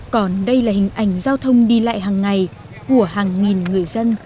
còn đây là hình ảnh giao thông đi lại hàng ngày của hàng nghìn người dân